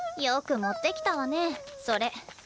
よく持ってきたわねそれ。